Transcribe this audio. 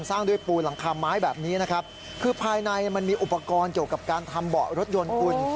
สร้างด้วยปูนหลังคาไม้แบบนี้นะครับคือภายในมันมีอุปกรณ์เกี่ยวกับการทำเบาะรถยนต์คุณ